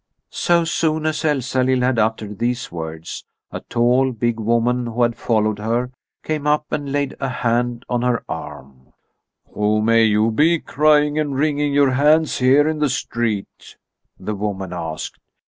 So soon as Elsalill had uttered these words a tall, big woman who had followed her came up and laid a hand on her arm. "Who may you be, crying and wringing your hands here in the street?" the woman asked.